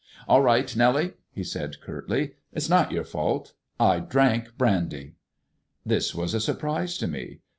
"All right, Nellie," he said curtly. "It's not your fault. I drank brandy." This was a surprise to me.